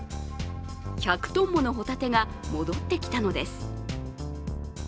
１００ｔものホタテが戻ってきたのです。